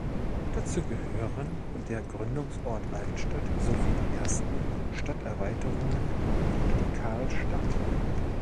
Dazu gehören der Gründungsort Altstadt sowie die ersten Stadterweiterungen wie die Carlstadt.